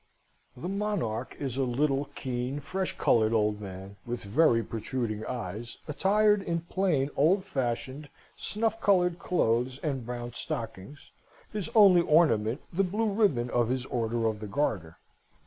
The monarch is a little, keen, fresh coloured old man, with very protruding eyes, attired in plain, old fashioned, snuff coloured clothes and brown stockings, his only ornament the blue ribbon of his Order of the Garter.